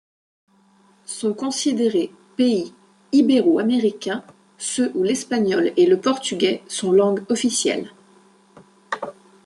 Sont considérés pays ibéroaméricains ceux où l'espagnol ou le portugais sont langue officielle.